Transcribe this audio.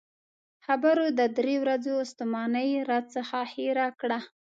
خبرو د درې ورځو ستومانۍ راڅخه هېره کړه.